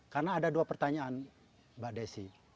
karena ada dua pertanyaan mbak desy